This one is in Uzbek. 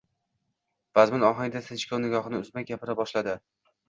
vazmin ohangda, sinchkov nigohini uzmay gapira boshladi: